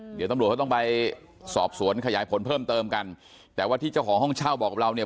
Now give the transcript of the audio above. เดี๋ยวตำรวจเขาต้องไปสอบสวนขยายผลเพิ่มเติมกันแต่ว่าที่เจ้าของห้องเช่าบอกกับเราเนี่ย